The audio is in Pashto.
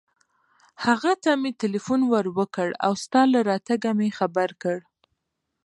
هغه ته مې ټېلېفون ور و کړ او ستا له راتګه مې خبر کړ.